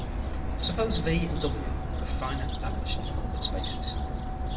Suppose "V", "W" are finite dimensional Hilbert spaces.